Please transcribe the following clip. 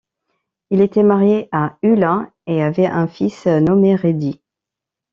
Il était marié à Ulla et avait un fils nommé Redi.